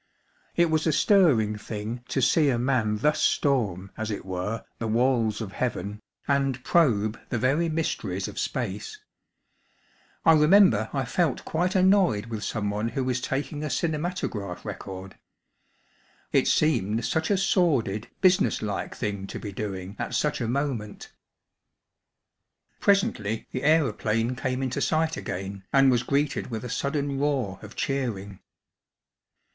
It was a stirring thing to see a man thus storm, as it were, the walls of Heaven and probe the very mysteries of space. I remember I felt quite annoyed with someone who was taking a cinematograph record. It seemed such a sordid, business like thing to be doing at such a moment. Presently the aeroplane came into sight again and was greeted with a sudden roar of cheering.